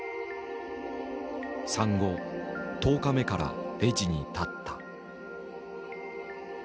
産後１０日目からレジに立った。